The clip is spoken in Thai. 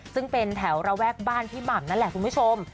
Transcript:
ซึ่งเป็นแถวระแวกบ้านพี่หม่ำนั่นแหละคุณผู้ชม